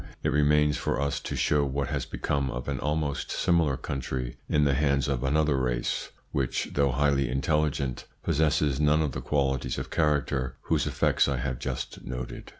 It remains for us to show what has become of an almost similar country in the hands of another race, which, though highly intelligent, possesses none of the qualities of character whose effects I have just noted.